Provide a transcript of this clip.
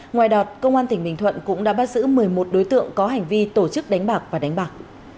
ngoài đoạt công an tỉnh bình thuận cũng đã bắt giữ một mươi một đối tượng có hành vi tổ chức đánh bạc và đánh bạc